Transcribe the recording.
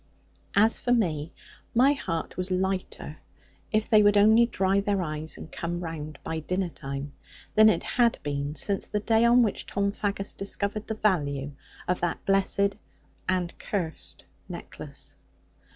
As for me, my heart was lighter (if they would only dry their eyes, and come round by dinnertime) than it had been since the day on which Tom Faggus discovered the value of that blessed and cursed necklace.